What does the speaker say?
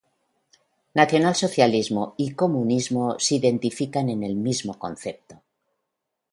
Nacionalsocialismo y comunismo se identifican en el mismo concepto.